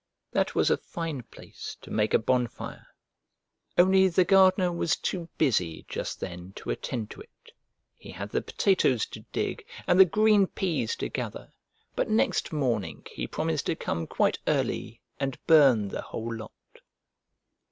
That was a fine place to make a bonfire, only the gardener was too busy just then to attend to it. He had the potatoes to dig and the green peas to gather, but next morning he promised to come quite early and burn the whole lot.